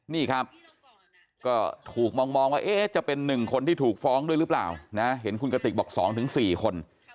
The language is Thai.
นี่ครับก็ถูกมองว่าจะเป็น๑คนที่ถูกฟ้องด้วยหรือเปล่านะเห็นคุณกติกบอก๒๔คน